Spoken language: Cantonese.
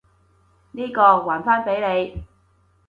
呢個，還返畀你！